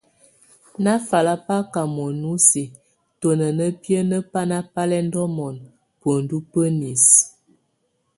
Nafalabak mon íse tona nábienebána bálɛndolonum, buendú buenisek.